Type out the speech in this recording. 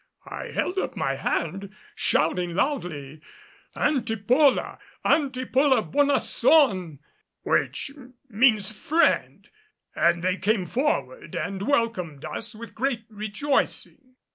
I held up my hand, shouting loudly "Antipola! Antipola bonnasson!" which means "friend" and they came forward and welcomed us with great rejoicing.